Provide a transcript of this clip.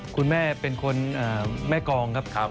คุณแม่เป็นคนแม่กองครับ